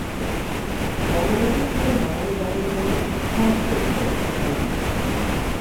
বঙ্গবন্ধু ছিলেন বাঙালি জাতির জন্য ঈশ্বরপ্রেরিত: আইজিপি